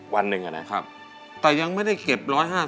วันหนึ่งนะครับแต่ยังไม่ได้เก็บ๑๕๐